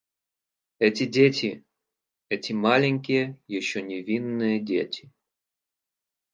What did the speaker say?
Эти дети, эти маленькие, еще невинные дети.